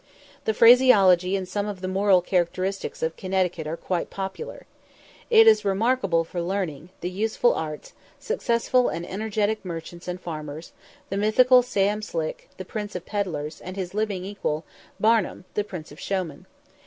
The phraseology and some of the moral characteristics of Connecticut are quite peculiar. It is remarkable for learning, the useful arts, successful and energetic merchants and farmers; the mythical Sam Slick, the prince of pedlars; and his living equal, Barnum, the prince of showmen.